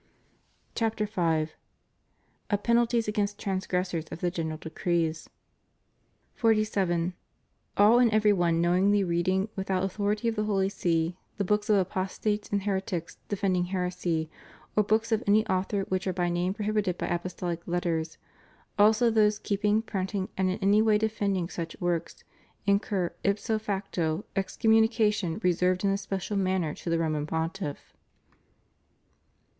CHAPTER V. Of Penalties Against Transgressors of the General Decreet. 47. All and every one knowingly reading, without authority of the Holy See, the books of apostates and heretics defending heresy; or books of any author which are by name prohibited by Apostolic Letters; also those keeping, printing, and in any way defending such works; incur ipso facto excommunication reserved in a special manner to the Roman Pontiff.